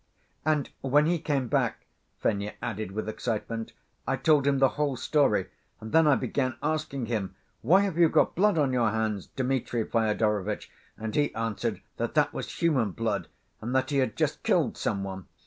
"And when he came back," Fenya added with excitement, "I told him the whole story, and then I began asking him, 'Why have you got blood on your hands, Dmitri Fyodorovitch?' and he answered that that was human blood, and that he had just killed some one.